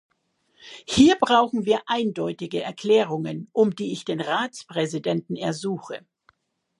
Hier brauchen wir eindeutige Erklärungen, um die ich den Ratspräsidenten ersuche.